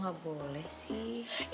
gua gak boleh sih